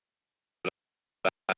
susulannya sudah selesai